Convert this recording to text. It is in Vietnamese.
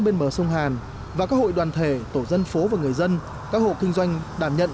bên bờ sông hàn và các hội đoàn thể tổ dân phố và người dân các hộ kinh doanh đảm nhận